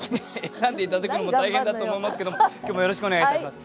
選んで頂くのも大変だと思いますけども今日もよろしくお願いいたします。